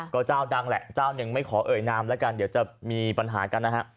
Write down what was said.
ก็เจ้าดังแหละเจ้าหนึ่งไม่ขอเอ่ยนามแล้วกันเดี๋ยวจะมีปัญหากันนะฮะ